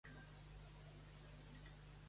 El seu primer equip va ser el Nottingham Forest.